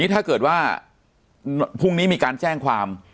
ถ้าเกิดว่าพรุ่งนี้มีการแจ้งความ